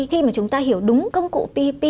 khi mà chúng ta hiểu đúng công cụ ppp